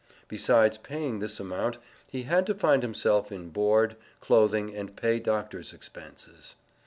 Besides paying this amount, he had to find himself in board, clothing, and pay doctor's expenses.